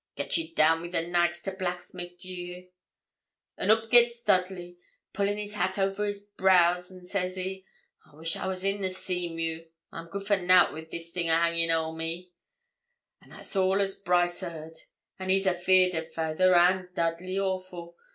Get ye down wi' the nags to blacksmith, do ye." An' oop gits Dudley, pullin' his hat ower his brows, an' says he, "I wish I was in the Seamew. I'm good for nout wi' this thing a hangin' ower me." An' that's all as Brice heard. An' he's afeard o' fayther and Dudley awful.